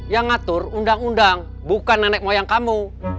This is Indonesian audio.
yang ngatur undang undang bukan nenek moyang kamu